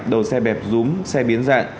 đầu xe bẹp rúm xe biến dạng